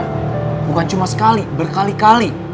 bukan cuma sekali berkali kali